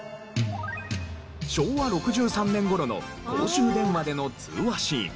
昭和６３年頃の公衆電話での通話シーン。